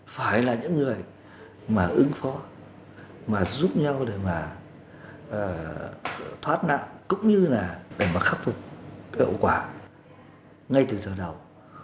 đấy là những người mà ứng phó mà giúp nhau để mà thoát nặng cũng như là để mà khắc phục cái hậu quả ngay từ giờ đầu